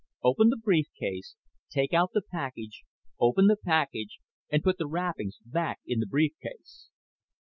"Open the brief case, take out the package, open the package and put the wrappings back in the brief case."